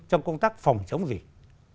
công tác phòng chống dịch